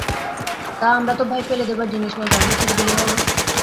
তা, আমরা তো ভাই ফেলে দেবার জিনিস নয় যে অমনি ছেড়ে দিলেই হল।